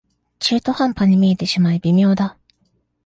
中途半端に見えてしまい微妙だ